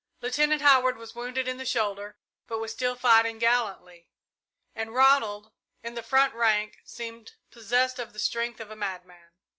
Lieutenant Howard was wounded in the shoulder, but was still fighting gallantly; and Ronald, in the front rank, seemed possessed of the strength of a madman.